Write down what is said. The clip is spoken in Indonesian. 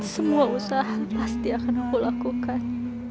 semua usaha pasti akan aku lakukan